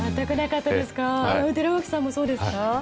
寺脇さんもそうですか？